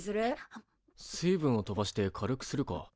水分を飛ばして軽くするか。